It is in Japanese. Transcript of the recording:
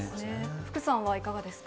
福さんはいかがですか。